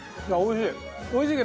おいしい！